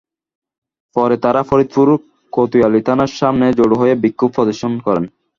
পরে তারা ফরিদপুর কোতোয়ালি থানার সামনে জড়ো হয়ে বিক্ষোভ প্রদর্শন করে।